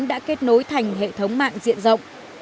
đã kết nối thành hệ thống mạng diện rộng